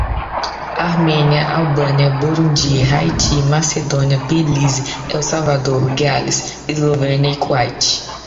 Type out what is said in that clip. Armênia, Albânia, Burundi, Haiti, Macedônia, Belize, El Salvador, Gales, Eslovênia, Kuwait